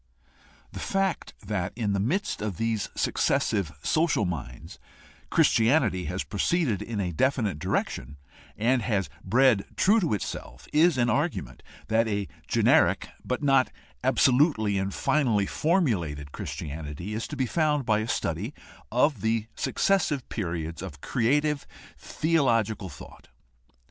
The fact that in the midst of these successive social minds Christianity has proceeded in a definite direction, and has bred true to itself, is an argument that a generic but not absolutely and finally formulated Christianity is to be found by a study of the successive periods of creative theological thought.